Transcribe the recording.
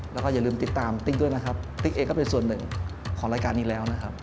แล้วก็อย่าลืมติดตามติ๊กด้วยนะครับติ๊กเองก็เป็นส่วนหนึ่งของรายการนี้แล้วนะครับ